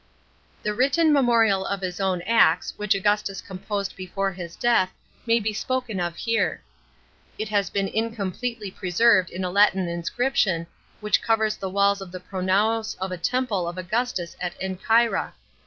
§ 14. The written memorial of his own acts which Augustus composed before his death may be spoken of here. It has been incompletely preserved in a Latin inscription which covers the walls of the pronaos of a temple of Augustus at Ancyra.